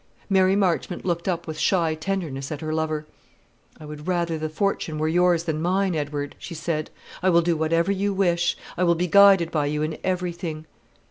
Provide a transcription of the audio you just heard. Mary Marchmont looked up with shy tenderness at her lover. "I would rather the fortune were yours than mine, Edward," she said. "I will do whatever you wish; I will be guided by you in every thing."